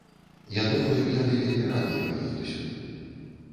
Я думаю, яны вельмі радыя прыезду сюды.